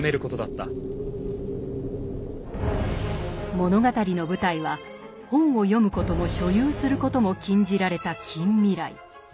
物語の舞台は本を読むことも所有することも禁じられた近未来。